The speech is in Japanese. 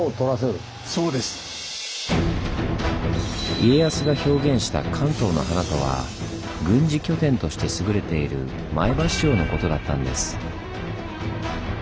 家康が表現した「関東の華」とは軍事拠点として優れている前橋城のことだったんです。